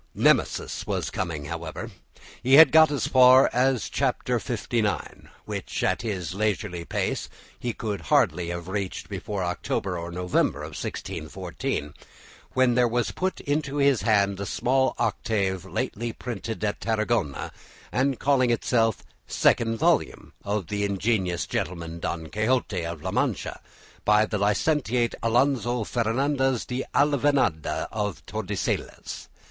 Nemesis was coming, however. He had got as far as Chapter LIX, which at his leisurely pace he could hardly have reached before October or November 1614, when there was put into his hand a small octave lately printed at Tarragona, and calling itself "Second Volume of the Ingenious Gentleman Don Quixote of La Mancha: by the Licentiate Alonso Fernandez de Avellaneda of Tordesillas."